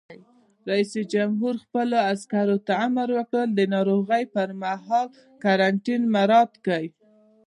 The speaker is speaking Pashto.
رئیس جمهور خپلو عسکرو ته امر وکړ؛ د ناروغۍ پر مهال قرنطین مراعات کړئ!